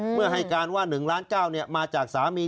เมื่อให้การว่า๑ล้านเก้าเนี่ยมาจากสามี